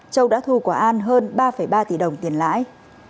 châu đã thu của an hơn ba ba tỷ đồng tiền lãi